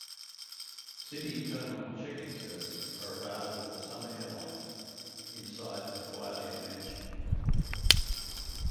City Terminal check-in services are available for some airlines inside the Hualian Mansion.